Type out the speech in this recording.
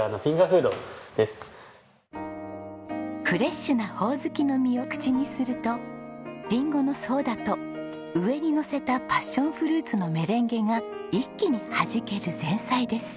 フレッシュなホオズキの実を口にするとリンゴのソーダと上にのせたパッションフルーツのメレンゲが一気にはじける前菜です。